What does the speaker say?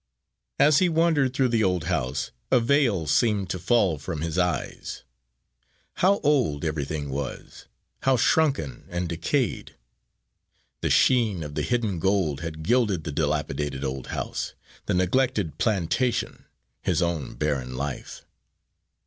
As he wandered through the old house, a veil seemed to fall from his eyes. How old everything was, how shrunken and decayed! The sheen of the hidden gold had gilded the dilapidated old house, the neglected plantation, his own barren life.